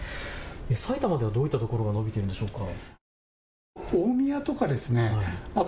埼玉ではどういったところが伸びているんでしょうか。